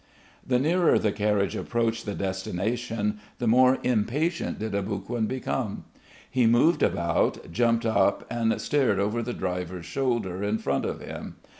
The nearer the carriage approached the destination the more impatient did Aboguin become. He moved about, jumped up and stared over the driver's shoulder in front of him.